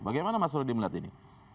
bagaimana mas rudy melihat ini